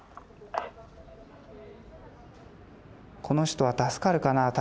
この人は助かるかな